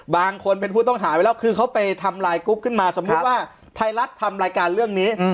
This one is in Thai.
บางคนเป็นผู้ต้องหาไว้แล้วคือเขาไปทำลายกรุ๊ปขึ้นมาสมมุติว่าไทยรัฐทำรายการเรื่องนี้